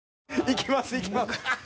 いきますいきます。